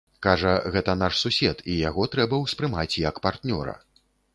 Кажа, гэта наш сусед і яго трэба ўспрымаць як партнёра.